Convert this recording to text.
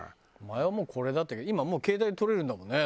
前はもうこれだったけど今はもう携帯で撮れるんだもんね。